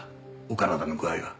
お体の具合は。